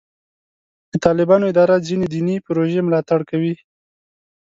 د طالبانو اداره ځینې دیني پروژې ملاتړ کوي.